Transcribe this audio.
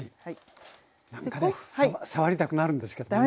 なんかね触りたくなるんですけど駄目？